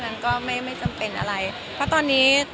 ตอนนี้ชีวิตก็เหมือนเดิม